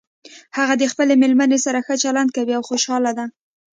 هغه د خپلې مېرمنې سره ښه چلند کوي او خوشحاله ده